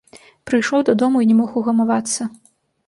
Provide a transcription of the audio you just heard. Прыйшоў дадому і не мог угамавацца.